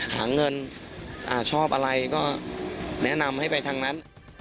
หาเงินชอบอะไรก็แนะนำให้ไปทางนั้น